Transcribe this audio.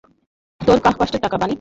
তোর কষ্টের টাকা, বানি।